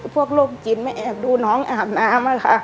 พวกโล่งกินมาแอบดูน้องอาบน้ำอะค่ะ